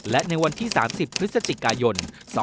และในวันที่๓๐พฤศจิกายน๒๕๖